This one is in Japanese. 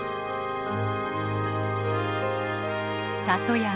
里山。